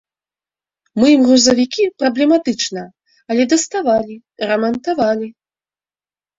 Мы ім грузавікі праблематычна, але даставалі, рамантавалі.